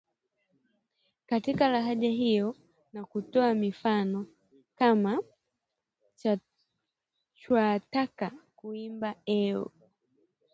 katika lahaja hiyo na kutoa mifano kama; chwataka kuimba eo